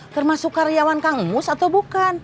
termasuk karyawan kang mus atau bukan